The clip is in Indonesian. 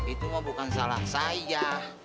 itu bukan salah saya